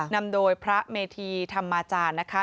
นำโดยพระเมธีธรรมาจารย์นะคะ